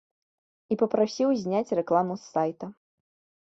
І папрасіў зняць рэкламу з сайта.